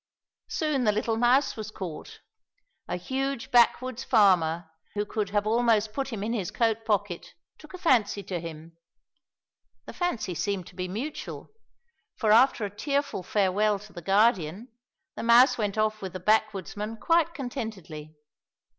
Soon the little Mouse was caught. A huge backwoods farmer, who could have almost put him in his coat pocket, took a fancy to him. The fancy seemed to be mutual, for, after a tearful farewell to the Guardian, the Mouse went off with the backwoodsman quite contentedly.